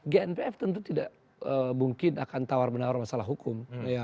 gnpf tentu tidak mungkin akan tawar menawar masalah hukum